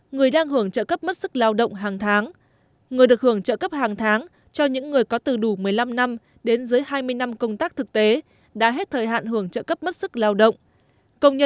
người đang hưởng trợ cấp mất sức lao động hàng tháng người được hưởng trợ cấp hàng tháng cho những người có từ đủ một mươi năm năm đến dưới hai mươi năm công tác thực tế đã hết thời hạn hưởng trợ cấp mất sức lao động